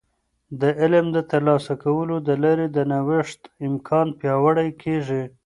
د علم د ترلاسه کولو د لارې د نوښت امکان پیاوړی کیږي.